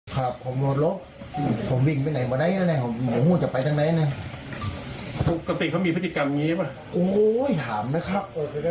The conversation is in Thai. โคกเลยครับ